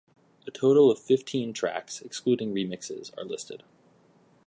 A total of fifteen tracks, excluding remixes, are listed.